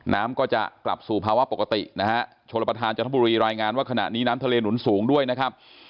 น้ำก็จะกลับสู่ภาวะปกตินะฮะชนประธานจันทบุรีรายงานว่าขณะนี้น้ำทะเลหนุนสูงด้วยนะครับ